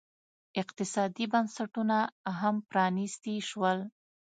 اقتصادي بنسټونه هم پرانیستي شول.